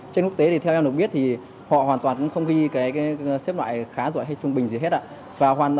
trên quốc tế thì theo em được biết thì họ hoàn toàn cũng không ghi cái xếp loại khá giỏi hay trung bình gì hết ạ